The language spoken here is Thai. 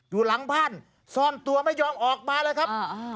อยู่หลังบ้านซ่อนตัวไม่ยอมออกมาเลยครับ